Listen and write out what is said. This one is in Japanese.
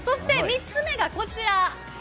３つ目がこちら。